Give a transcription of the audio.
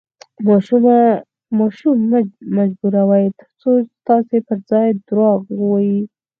ماشوم مه مجبوروئ، ترڅو ستاسو پر ځای درواغ ووایي.